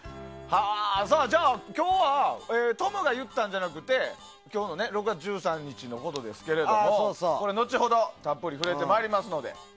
じゃあ、今日はトムが言ったんじゃなくて今日の６月１３日のことですけど後ほど、たっぷり触れてまいりますので。